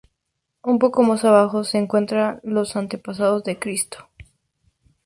Un poco más abajo se encuentran los antepasados de Cristo.